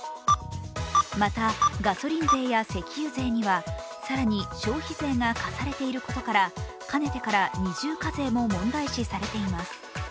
またガソリン税や石油税には更に消費税が課されていることからかねてから二重課税も問題視されています。